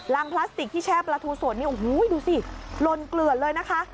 พลาสติกที่แช่ปลาทูสดนี่โอ้โหดูสิลนเกลือดเลยนะคะ